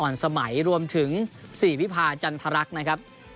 อ่อนสมัยรวมถึง๔วิพาท์จันทรรักนะครับ